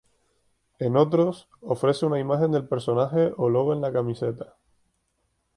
En otros, ofrece una imagen del personaje o logo en la camiseta.